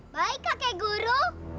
baik kakek guru